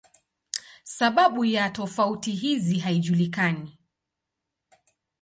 Sababu ya tofauti hizi haijulikani.